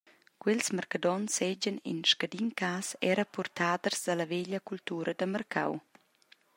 Quels marcadonts seigien en scadin cass era purtaders dalla veglia cultura da marcau.